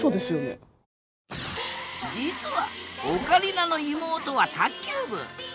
実はオカリナの妹は卓球部。